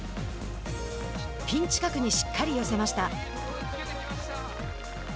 ピン近くにしっかり寄せました。